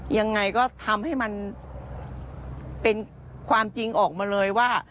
ยังไงก็ทำให้มันเป็นความจริงออกมาเลยว่า